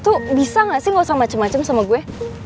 tuh bisa gak sih gak usah macem macem sama gue